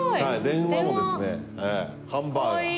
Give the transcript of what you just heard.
電話もですねハンバーガー。